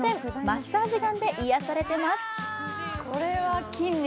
マッサージガンで癒やされてます。